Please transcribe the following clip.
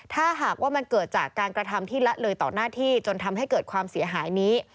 ถ้าหากว่ามันเกิดจากการกระทำที่ละเลยต่อหน้าที่จนทำให้เกิดความเสียหายนี้